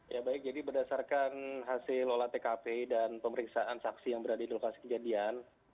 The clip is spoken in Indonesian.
ya baik jadi berdasarkan hasil olah tkp dan pemeriksaan saksi yang berada di lokasi kejadian